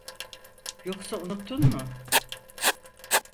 Yoksa unuttun mu?